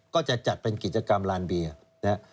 ก็จะจัดเป็นกิจกรรมลานเบียน